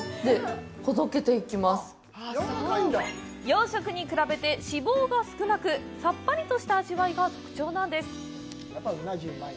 養殖に比べて脂肪が少なくさっぱりとした味わいが特徴なんです。